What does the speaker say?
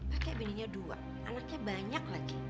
pakai belinya dua anaknya banyak lagi